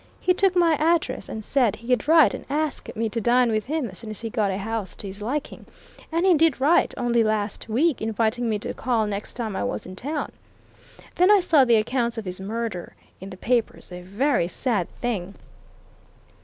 He took my address and said he'd write and ask me to dine with him as soon as he got a house to his liking, and he did write, only last week, inviting me to call next time I was in town. Then I saw the accounts of his murder in the papers a very sad thing!"